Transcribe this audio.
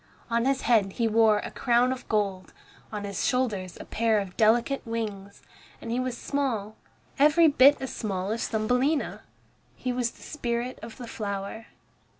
On his head he wore a crown of gold, on his shoulders a pair of delicate wings, and he was small, every bit as small as Thumbelina. He was the spirit of the flower.